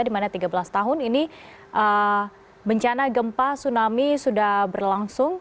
di mana tiga belas tahun ini bencana gempa tsunami sudah berlangsung